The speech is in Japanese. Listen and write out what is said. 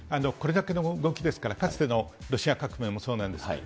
これだけの動きですから、かつてのロシア革命もそうなんです。